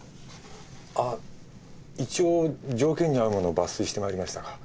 あっ一応条件に合うものを抜粋してまいりましたが。